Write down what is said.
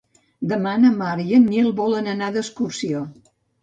Demà na Mar i en Nil volen anar d'excursió.